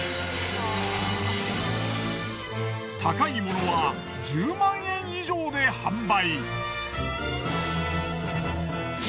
高いものは１０万円以上で販売。